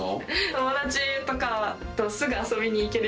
友達とかとすぐ遊びに行ける